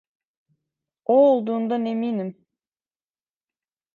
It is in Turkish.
O olduğundan eminim.